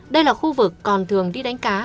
đây là khu vực còn thường đi đánh cá